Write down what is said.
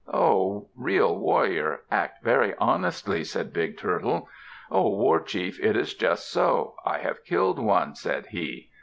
"Ho! real warrior, act very honestly," said Big Turtle. "O war chief, it is just so. I have killed one," said he.